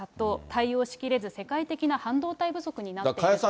対応しきれず、世界的な半導体不足になっていると。